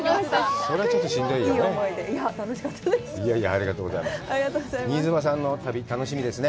それはちょっとしんどいですよね。